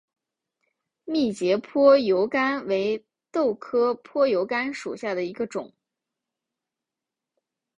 密节坡油甘为豆科坡油甘属下的一个种。